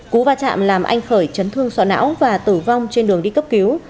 cú va chạm làm anh khởi chấn thương sọ não và tử vong trên đường đi cấp cứu